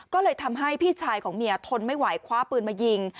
ก็เลยทำให้พี่ชายของเมียทนไม่ไหวคว้าปืนมายิง